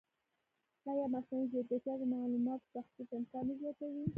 ایا مصنوعي ځیرکتیا د معلوماتو تحریف امکان نه زیاتوي؟